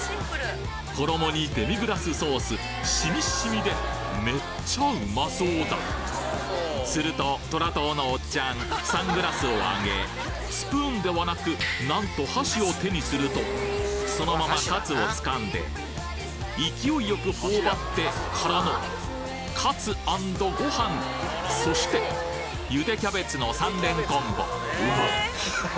衣にデミグラスソース染みっ染みでめっちゃうまそうだすると虎党のおっちゃんサングラスをあげスプーンではなくなんと箸を手にするとそのままカツをつかんで勢いよく頬張ってからのカツ＆ご飯そして茹でキャベツの３連コンボ！